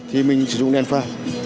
thì mình sử dụng đèn pha